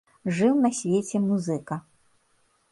Жыў на свеце музыка.